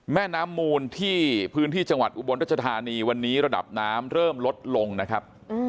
แม่น้ำมูลที่พื้นที่จังหวัดอุบลรัชธานีวันนี้ระดับน้ำเริ่มลดลงนะครับ